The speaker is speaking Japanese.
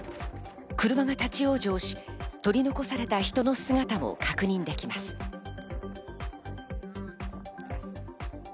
車が立ち往生し、取り残された人の姿も確認できます。